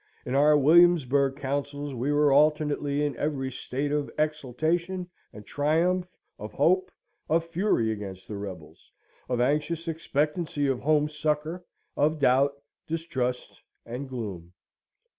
In our Williamsburg councils we were alternately in every state of exaltation and triumph, of hope, of fury against the rebels, of anxious expectancy of home succour, of doubt, distrust, and gloom.